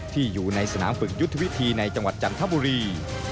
อยู่ในสนามฝึกยุทธวิธีในจังหวัดจันทบุรี